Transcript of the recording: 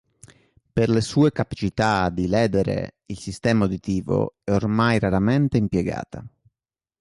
Per le sue capacità di ledere il sistema uditivo è ormai raramente impiegata.